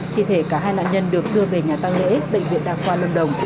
khi thế cả hai nạn nhân được đưa về nhà tăng lễ bệnh viện đa khoa lâm đồng